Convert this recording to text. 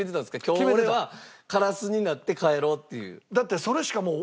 今日俺はカラスになって帰ろうっていう。